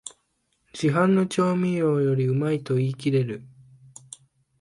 市販の調味料よりうまいと言いきれる